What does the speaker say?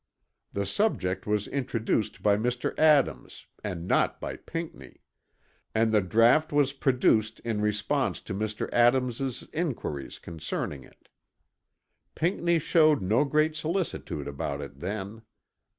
The subject was introduced by Mr. Adams and not by Pinckney; and the draught was produced in response to Mr. Adams' inquiries concerning it. Pinckney showed no great solicitude about it then.